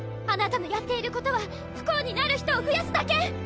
あなたのやっていることは不幸になる人をふやすだけ！